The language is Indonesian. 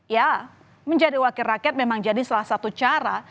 ya menjadi wakil rakyat memang jadi salah satu cara